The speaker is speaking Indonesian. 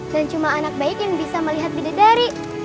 dan cuma anak baik yang bisa melihat bidadari